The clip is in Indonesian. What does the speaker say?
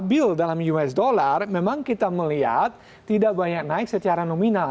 bila kita lihat dalam us dollar memang kita melihat tidak banyak naik secara nominal